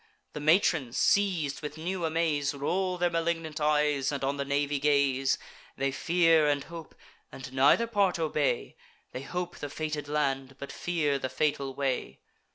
The matrons, seiz'd with new amaze, Roll their malignant eyes, and on the navy gaze. They fear, and hope, and neither part obey: They hope the fated land, but fear the fatal way.